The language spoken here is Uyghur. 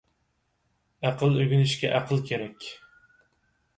ئەقىل ئۆگىنىشكە ئەقىل كېرەك.